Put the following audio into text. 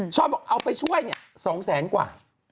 ช้อนบอกเอาไปช่วย๒แสนกว่า